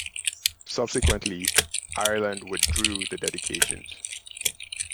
Subsequently, Ireland withdrew the dedications.